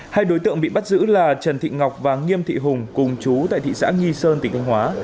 hai đối tượng bị bắt giữ là trần thị ngọc và nghiêm thị hùng cùng chú tại thị xã nghi sơn tỉnh thanh hóa